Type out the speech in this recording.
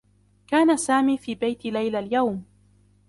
كان سامي في بيت ليلى اليوم.